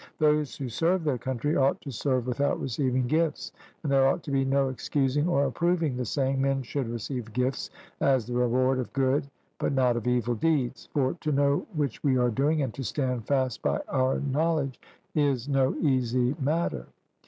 Those who serve their country ought to serve without receiving gifts, and there ought to be no excusing or approving the saying, 'Men should receive gifts as the reward of good, but not of evil deeds'; for to know which we are doing, and to stand fast by our knowledge, is no easy matter.